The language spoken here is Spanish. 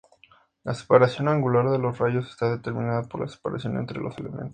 La separación angular de los rayos está determinada por la separación entre los elementos.